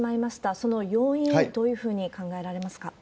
その要因、どういうふうに考えられますか？